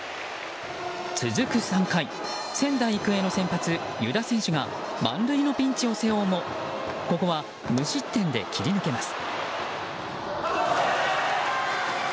続く３回、仙台育英の先発湯田選手が満塁のピンチも背負うもここは無失点で切り抜けます。